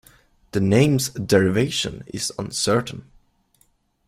The name's derivation is uncertain.